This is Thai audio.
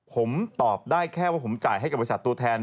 ผมตอบได้แค่ว่าผมจ่ายให้กับบริษัทตัวแทน